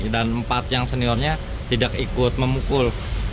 dan empat yang senilanya tidak ikut memukul